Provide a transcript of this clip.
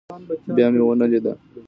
بيا مې ونه ليده.